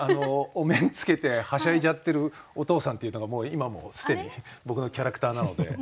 お面つけてはしゃいじゃってるお父さんっていうのが今もう既に僕のキャラクターなので。